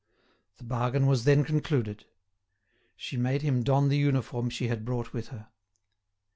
The bargain was then concluded. She made him don the uniform she had brought with her.